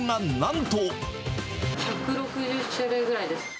１６０種類ぐらいです。